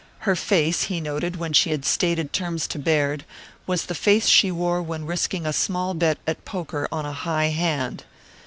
Her face, he noted, when she had stated terms to Baird, was the face she wore when risking a small bet at poker on a high hand.